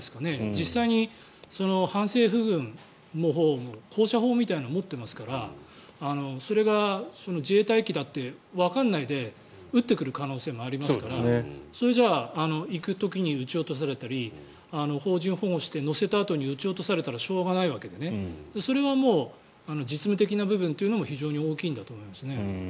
実際に反政府軍のほうも高射砲みたいなのを持っていますからそれが自衛隊機だってわからないで撃ってくる可能性もありますからそれじゃあ行く時に撃ち落とされたり邦人を保護して、乗せたあとに撃ち落とされたらしょうがないわけでそれは実務的な部分というのも非常に大きいんだと思います。